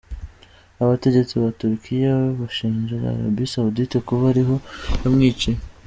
Abategetsi ba Turukiya bashinja Arabie Saoudite kuba ari ho yamwiciye.